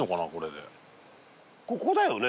ここだよね？